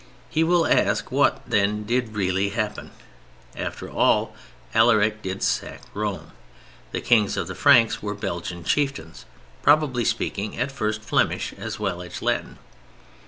He will ask what, then, did really happen? After all, Alaric did sack Rome. The Kings of the Franks were Belgian chieftains, probably speaking (at first) Flemish as well as Latin.